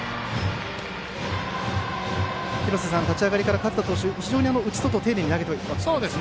廣瀬さん、立ち上がりから勝田投手は非常に内、外丁寧に投げていますね。